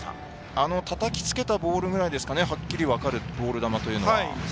あのたたきつけたボールくらいですかねはっきりと分かるボール球というのは。